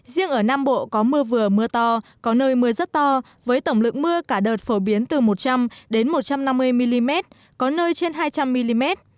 riêng ở nam bộ có mưa vừa mưa to có nơi mưa rất to với tổng lượng mưa cả đợt phổ biến từ một trăm linh đến một trăm năm mươi mm có nơi trên hai trăm linh mm